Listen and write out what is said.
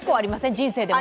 人生でも。